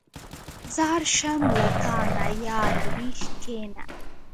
ځار شم له تانه ياره ویښ کېنه.